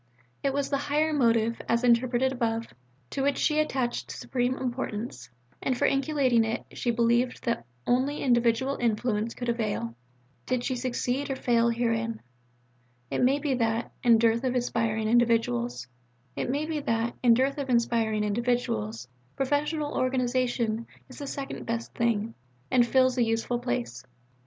It was the higher motive (as interpreted above) to which she attached supreme importance, and for inculcating it she believed that only individual influence could avail. Did she succeed or fail herein? It may be that, in dearth of inspiring individuals, professional organization is the second best thing, and fills a useful place.